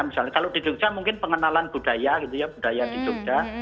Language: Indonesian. misalnya kalau di jogja mungkin pengenalan budaya gitu ya budaya di jogja